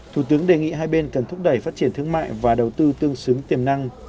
thủ tướng đề nghị hai bên cần thúc đẩy phát triển thương mại và đầu tư tương xứng tiềm năng